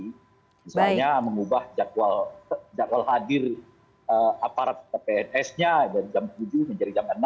misalnya mengubah jadwal hadir aparat pns nya dari jam tujuh menjadi jam enam